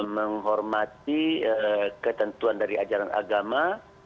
menghormati ketentuan dari ajaran agama